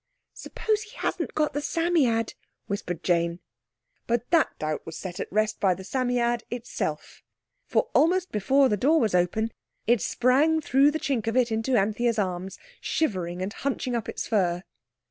"Suppose he hasn't got the Psammead?" whispered Jane. But that doubt was set at rest by the Psammead itself; for almost before the door was open it sprang through the chink of it into Anthea's arms, shivering and hunching up its fur.